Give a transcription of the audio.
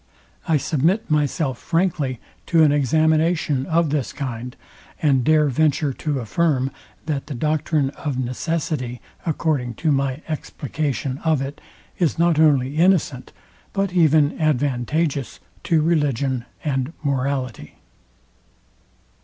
I submit myself frankly to an examination of this kind, and dare venture to affirm, that the doctrine of necessity, according to my explication of it, is not only innocent, but even advantageous to religion and morality.